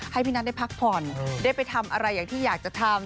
ให้พี่นัทได้พักผ่อนได้ไปทำอะไรอย่างที่อยากจะทำ